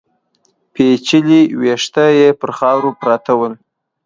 پيچلي ويښته يې پر خاورو پراته ول.